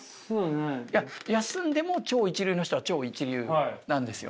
いや休んでも超一流の人は超一流なんですよ。